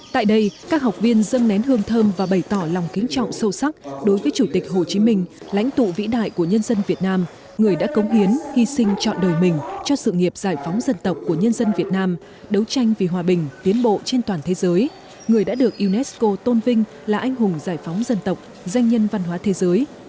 tại đây các học viên dâng nén hương thơm và bày tỏ lòng kính trọng sâu sắc đối với chủ tịch hồ chí minh lãnh tụ vĩ đại của nhân dân việt nam người đã cống hiến hy sinh chọn đời mình cho sự nghiệp giải phóng dân tộc của nhân dân việt nam đấu tranh vì hòa bình tiến bộ trên toàn thế giới người đã được unesco tôn vinh là anh hùng giải phóng dân tộc danh nhân văn hóa thế giới